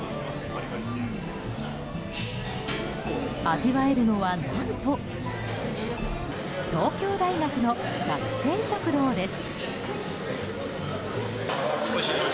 味わえるのは何と東京大学の学生食堂です。